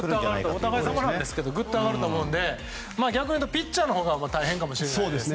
お互い様なんですけどぐっと上がると思うので逆に言うとピッチャーのほうが大変かもしれないですね。